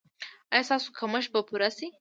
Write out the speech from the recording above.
ایا ستاسو کمښت به پوره شي؟